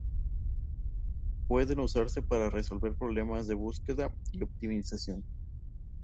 Pueden usarse para resolver problemas de búsqueda y optimización.